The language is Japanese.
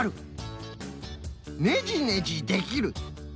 「ねじねじできる」。